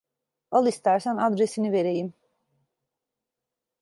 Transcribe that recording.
Al istersen adresini vereyim.